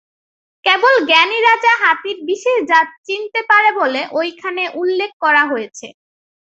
কেবল জ্ঞানী রাজা হাতির বিশেষ জাত চিনতে পারে বলে এখানে উল্লেখ করা হয়েছে।